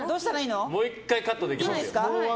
もう１回カットできます。